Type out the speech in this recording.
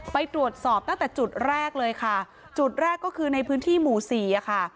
ไปตรวจสอบตั้งแต่จุดแรกเลยค่ะจุดแรกก็คือในพื้นที่หมู่สี่อะค่ะ